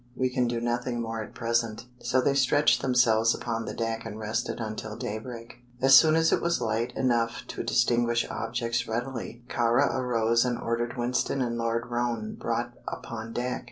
We can do nothing more at present." So they stretched themselves upon the deck and rested until daybreak. As soon as it was light enough to distinguish objects readily, Kāra arose and ordered Winston and Lord Roane brought upon deck.